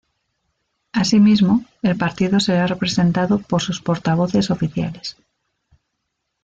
Asimismo, el partido será representado por sus portavoces oficiales.